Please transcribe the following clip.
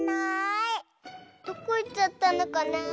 どこいっちゃったのかなあ。